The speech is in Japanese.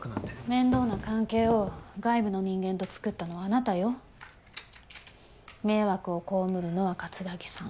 面倒な関係を外部の人間と作ったのはあなたよ迷惑を被るのは桂木さん